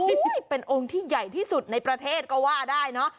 นี่เป็นองค์ที่ใหญ่ที่สุดในประเทศก็ว่าได้เนอะ